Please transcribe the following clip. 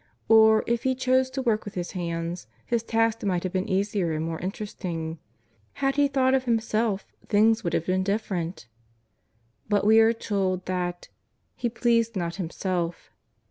Or, if He chose to work with His hands. His tasks might have been easier and more interesting. Had He thought of Him self things would have been different. But we are told that ^' He pleased not Himself."